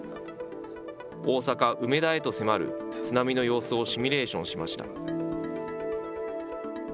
大阪・梅田へと迫る津波の様子をシミュレーションしました。